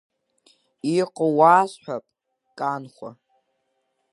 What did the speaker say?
Иҟоу уасҳәап, Канхәа.